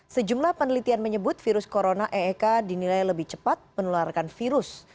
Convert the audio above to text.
sejumlah penelitian menyebut virus corona eek dinilai lebih cepat menularkan virus